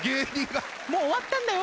もう終わったんだよ。